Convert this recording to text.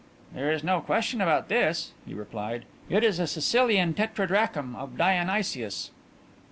"There is no question about this," he replied. "It is a Sicilian tetradrachm of Dionysius."